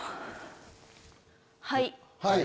はい！